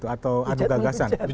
atau adu gagasan